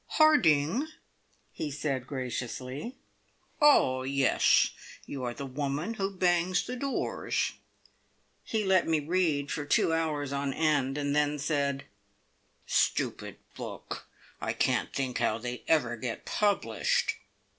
"Harding?" he said graciously. "Oh, yes! You are the woman who bangs the doors." He let me read for two hours on end, and then said, "Stupid book. I can't think how they ever get published!"